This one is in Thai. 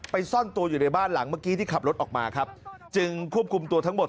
ซ่อนตัวอยู่ในบ้านหลังเมื่อกี้ที่ขับรถออกมาครับจึงควบคุมตัวทั้งหมด